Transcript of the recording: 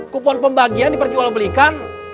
kupon pembagian diperjual belikan